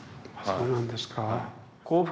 そうなんですか。